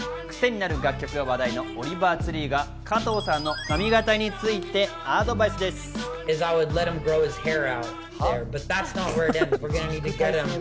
クセになる楽曲が話題のオリバー・ツリーが加藤さんの髪形についてアドバイスです。